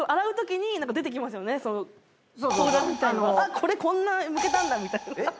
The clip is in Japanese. これこんなむけたんだみたいなえっ？